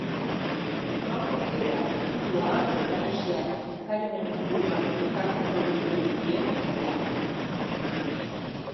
Gaurko bilera hiru ahaldun nagusiak gai honen inguruan elkartuko dituen lehena da.